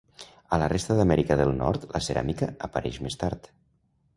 A la resta d'Amèrica del Nord la ceràmica apareix més tard.